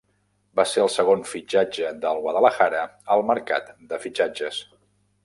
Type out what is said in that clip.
Va ser el segon fitxatge del Guadalajara al mercat de fitxatges.